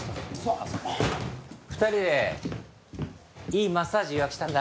２人でいいマッサージ予約したんだ。